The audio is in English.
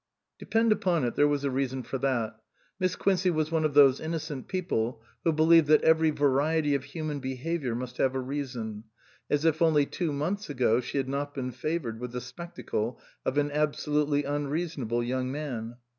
Depend upon it there was a reason for that. Miss Quincey was one of those innocent people who believe that every variety of human be haviour must have a reason (as if only two months ago she had not been favoured with the spectacle of an absolutely unreasonable young man).